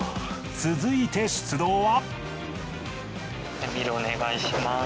続いて出動は。